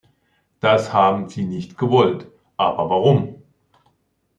Das haben Sie nicht gewollt, aber warum?